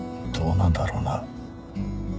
どうなんだろうな。